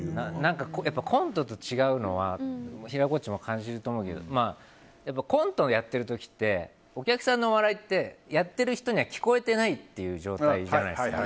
コントと違うのは平子っちも感じると思うけどコントをやってる時ってお客さんの笑いってやっている人には聞こえてない状態じゃないですか。